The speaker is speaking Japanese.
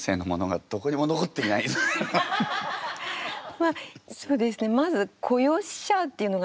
まあそうですね。